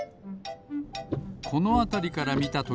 このあたりからみたとき